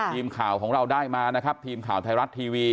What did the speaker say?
ทีมข่าวของเราได้มานะครับทีมข่าวไทยรัฐทีวี